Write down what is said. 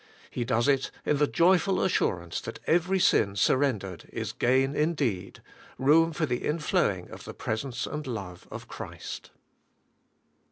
He does it in the joyful assurance that every sin surrendered is gain indeed, — room for the inflow ing of the presence and the love of Christ.